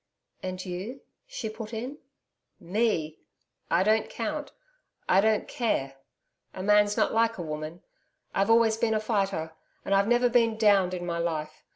'And you?' she put in. 'Me! I don't count I don't care.... A man's not like a woman. I've always been a fighter. And I've never been DOWNED in my life.